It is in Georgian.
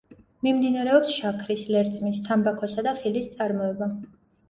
მიმდინარეობს შაქრის ლერწმის, თამბაქოსა და ხილის წარმოება.